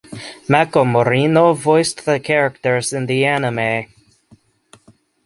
Mako Morino voiced the characters in the anime.